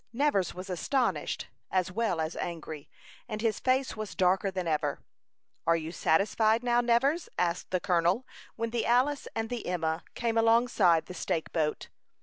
Nevers was astonished, as well as angry, and his face was darker than ever. "Are you satisfied now, Nevers?" asked the colonel, when the Alice and the Emma came alongside the stake boat.